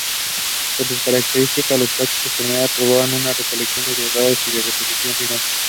Por sus características los plásticos generan problemas en la recolección, traslado y disposición final.